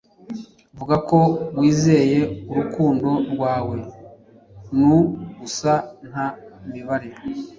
Vuga ko wizeye urukundo rwawe nuh gusa nta mibare